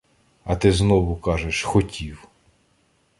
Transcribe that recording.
— А ти знову кажеш — "хотів".